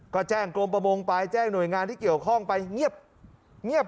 ก็แจ้งกรมประมงไปแจ้งหน่วยงานที่เกี่ยวข้องไปเงียบ